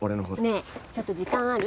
ねえちょっと時間ある？